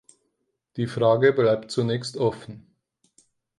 Die Frage bleibt zunächst offen.